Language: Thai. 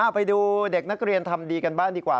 ไปดูเด็กนักเรียนทำดีกันบ้างดีกว่า